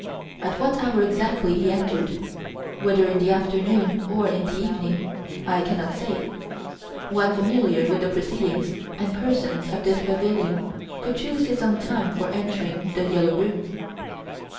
At what hour exactly he entered, whether in the afternoon or in the evening, I cannot say. One familiar with the proceedings and persons of this pavilion could choose his own time for entering "The Yellow Room"."